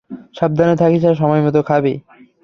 সাবধানে থাকিস আর সময়মতো খাবি।